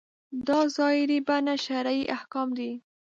دا ظاهري بڼه شرعي احکام دي.